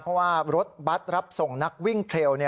เพราะว่ารถบัตรรับส่งนักวิ่งเครล